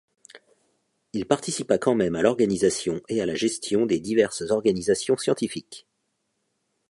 Il participa quand même à l'organisation et à la gestion des diverses organisations scientifiques.